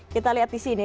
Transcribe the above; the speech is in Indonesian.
kita lihat di sini